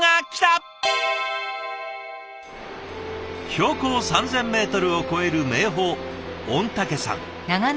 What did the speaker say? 標高３，０００ｍを超える名峰御嶽山。